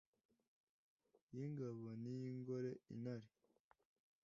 yi ngabo ni yi ngore, intare